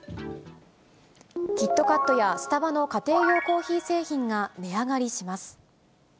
キットカットやスタバの家庭用コーヒー製品が値上がりします。